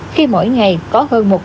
khi mỗi ngày có hơn một